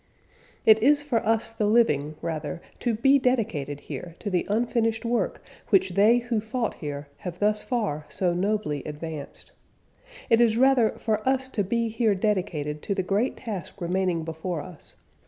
It is for us the living, rather, to be dedicated here to the unfinished work which they who fought here have thus far so nobly advanced. It is rather for us to be here dedicated to the great task remaining before us.